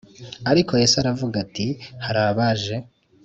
Ariko Yesu aravuga ati hari abaje